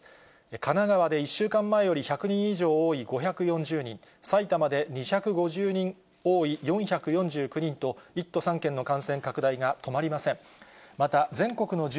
神奈川で１週間前より１００人以上多い５４０人、埼玉で２５０人多い４４９人と、１都３県の感染拡大が止まりません。